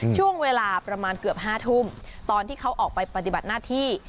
ช่วงเวลาประมาณเกือบ๕ทุ่มตอนที่เขาออกไปปฏิบัติหน้าที่